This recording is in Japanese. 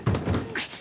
クソ！